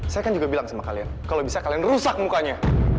saya kan juga bilang sama kalian kalau bisa kalian rusak mukanya